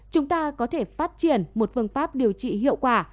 chúng ta có thể phát triển một phương pháp điều trị hiệu quả